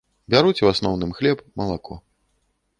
Бяруць у асноўным хлеб, малако.